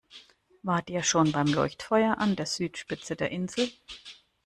Wart ihr schon beim Leuchtfeuer an der Südspitze der Insel?